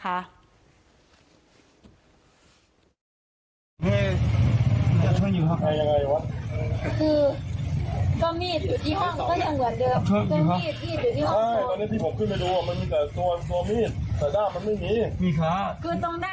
คือก็มีดอยู่ที่ห้องก็ยังเหมือนเดิมก็มีดที่อยู่ที่ห้องตัว